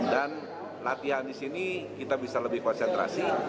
dan latihan di sini kita bisa lebih konsentrasi